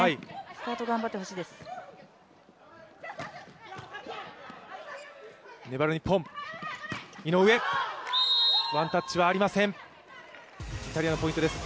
スタート頑張ってほしいです。